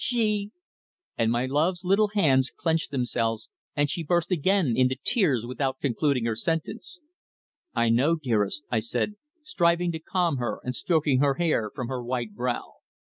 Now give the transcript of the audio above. She " And my love's little hands clenched themselves and she burst again into tears without concluding her sentence. "I know, dearest," I said, striving to calm her, and stroking her hair from her white brow.